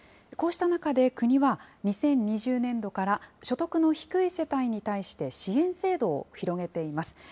こうした中で、国は、２０２０年度から所得の低い世帯に対して支援制度を広げています。